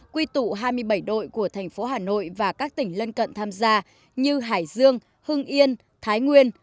quy tụ hai mươi bảy đội của thành phố hà nội và các tỉnh lân cận tham gia như hải dương hưng yên thái nguyên